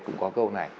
cũng có câu này